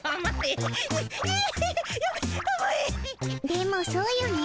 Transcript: でもそうよね。